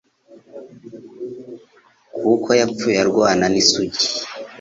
kuko yapfuye arwana n'isugi